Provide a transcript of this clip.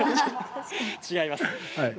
違います。